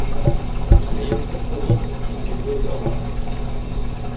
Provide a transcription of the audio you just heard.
Хәйерһеҙ болот диңгеҙгә яуыр.